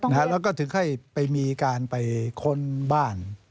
แล้วก็ถึงค่อยไปมีการไปค้นบ้าน